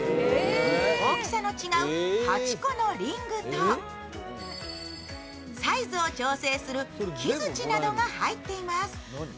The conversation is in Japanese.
大きさの違う８個のリングとサイズを調整する木づちなどが入っています。